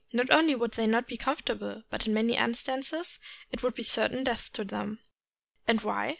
Not only would they not be comfortable, but in many instances it would be certain death to them. And why?